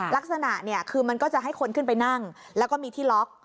ลักษณะเนี่ยคือมันก็จะให้คนขึ้นไปนั่งแล้วก็มีที่ล็อก